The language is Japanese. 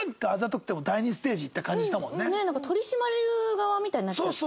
ねっなんか取り締まる側みたいになっちゃって。